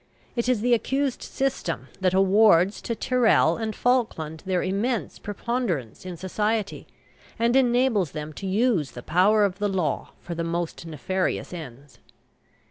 It is the accused system that awards to Tyrrel and Falkland their immense preponderance in society, and enables them to use the power of the law for the most nefarious ends.